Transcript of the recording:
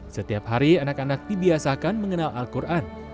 setiap hari anak anak dibiasakan mengenal al quran